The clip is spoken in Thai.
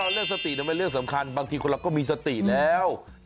เรื่องสติเป็นเรื่องสำคัญบางทีคนเราก็มีสติแล้ว